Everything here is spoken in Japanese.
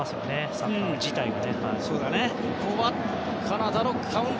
サッカー自体が。